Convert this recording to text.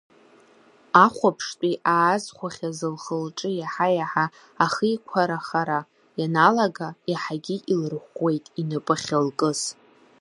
Ахәаԥштәы аазхәахьаз лхы-лҿы иаҳа-иаҳа ахиқәарахара ианалага, иаҳагьы илырӷәӷәеит инапы ахьылкыз.